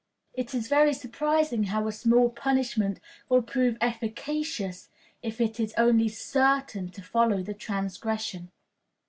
It is very surprising how small a punishment will prove efficacious if it is only certain to follow the transgression.